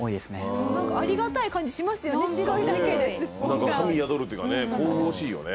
なんか神宿るっていうかね神々しいよね。